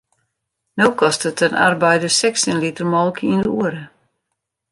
No kostet in arbeider sechstjin liter molke yn de oere.